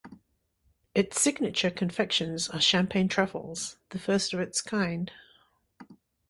Its signature confections are Champagne Truffles, the first of its kind.